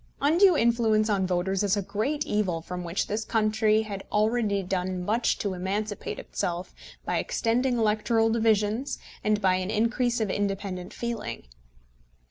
Undue influence on voters is a great evil from which this country had already done much to emancipate itself by extended electoral divisions and by an increase of independent feeling.